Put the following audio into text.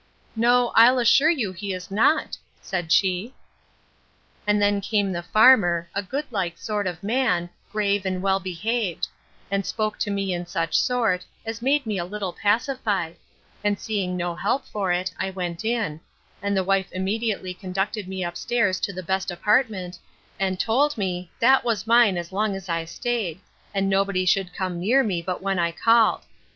—No, I'll assure you he is not, said she. And then came the farmer, a good like sort of man, grave, and well behaved; and spoke to me in such sort, as made me a little pacified; and seeing no help for it, I went in; and the wife immediately conducted me up stairs to the best apartment, and told me, that was mine as long as I staid: and nobody should come near me but when I called.